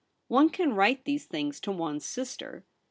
One can write these things to one's sister.